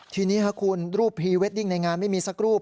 ทีนี้ค่ะคุณรูปพรีเวดดิ้งในงานไม่มีสักรูป